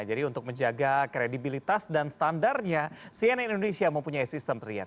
jadi untuk menjaga kredibilitas dan standarnya cnn indonesia mempunyai sistem triad